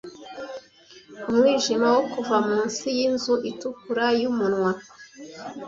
Umwijima wo kuva munsi yinzu itukura yumunwa.